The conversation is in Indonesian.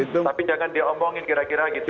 tapi jangan diomongin kira kira gitu